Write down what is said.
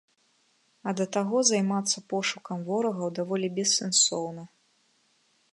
А да таго займацца пошукам ворагаў даволі бессэнсоўна.